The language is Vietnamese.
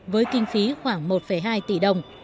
với kinh phí khoảng một hai tỷ đồng